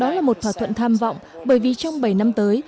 đó là một thỏa thuận tham vọng bởi vì trong bảy năm tới